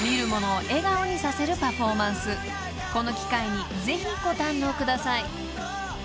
［この機会にぜひご堪能ください］